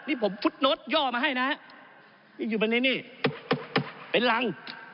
นี่ผมฟุตโน้ตย่อมาให้นะนี่อยู่บนนี้นี่เป็นรัง